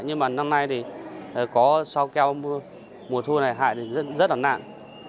nhưng mà năm nay thì có sau keo mùa thu này hại rất là nặng